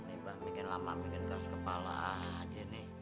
nanti mbak bikin lama bikin keras kepala aja nih